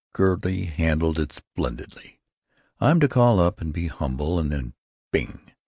Gertie handled it splendidly! I'm to call up and be humble, and then—bing!